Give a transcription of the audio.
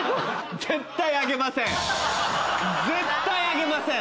絶対あげません